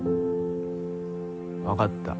わかった。